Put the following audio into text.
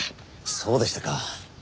そうでしたか。